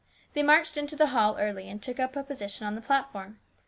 They marched into the hall early and took a position on the platform.